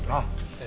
ええ。